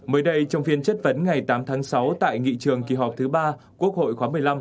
mới đây trong phiên chất vấn ngày tám tháng sáu tại nghị trường kỳ họp thứ ba quốc hội khóa một mươi năm